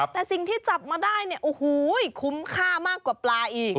แต่สิ่งที่จับมาได้เนี่ยโอ้โหคุ้มค่ามากกว่าปลาอีก